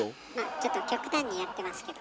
ちょっと極端にやってますけど。